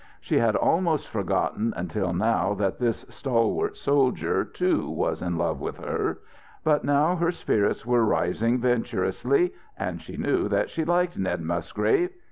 She had almost forgotten until now that this stalwart soldier, too, was in love with her. But now her spirits were rising venturously, and she knew that she liked Ned Musgrave.